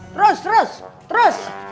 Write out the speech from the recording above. terus terus terus